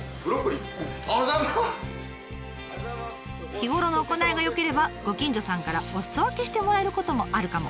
日頃の行いが良ければご近所さんからおすそ分けしてもらえることもあるかも。